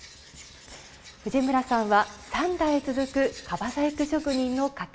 藤村さんは三代続く樺細工職人の家系。